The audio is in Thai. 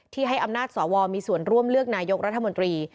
ให้อำนาจสวมีส่วนร่วมเลือกนายกรัฐมนตรี